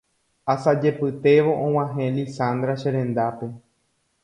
Asajepytévo og̃uahẽ Lizandra cherendápe